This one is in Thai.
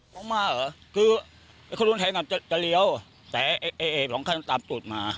ต้องมาเหรอคือเขาต้องแทงอ่ะจะจะเลี้ยวแต่ไอไอไอของเขาตามจุดมา